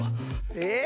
えっ？